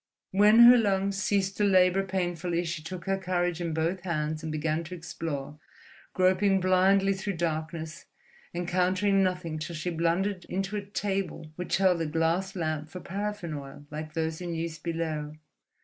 When her lungs ceased to labour painfully, she took her courage in both hands and began to explore, groping blindly through darkness, encountering nothing till she blundered into a table which held a glass lamp for paraffin oil, like those in use below.